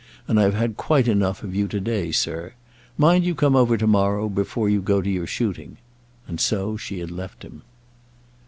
And I've had quite enough of you to day, sir. Mind you come over to morrow before you go to your shooting." And so she had left him.